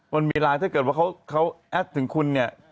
มันมีไลน์ถ้าเกิดว่าเขาแอดถึงคุณเนี่ย